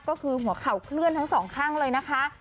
ก็คือหัวเข่าเคลื่อนทั้งสองข้างเลยนะคะ